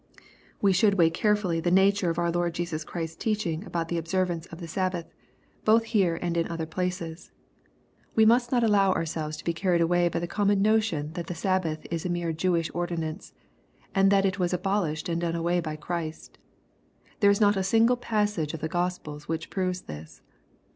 We should weigh carefully the nature of our Lord Jesus Christ's teaching about the observance of the 162 EXPOSITORY THOUGHTS. 8abbath, both here and in other places. We must not allow ourselves to be carried away by the common notion that the Sabbath is a mere Jewish ordinance, and that it was abolished and done away by Christ. There is not a single passage of the Gospels which proves this.